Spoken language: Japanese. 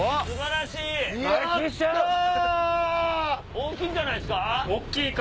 大きいんじゃないっすか？